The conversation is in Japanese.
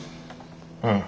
うん。